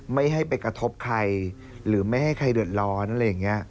ไม่ให้ไปกระทบใครหรือไม่ให้ใครเดือดร้อนอะไรอย่างนี้